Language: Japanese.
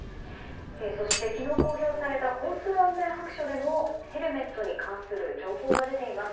そして昨日、公表された交通安全白書でもヘルメットに関する情報が出ています。